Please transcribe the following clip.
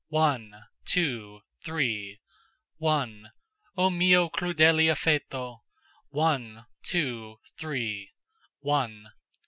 one, two, three... One... "Oh mio crudele affetto."... One, two, three... One.